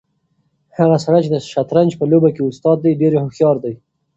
هغه سړی چې د شطرنج په لوبه کې استاد دی ډېر هوښیار دی.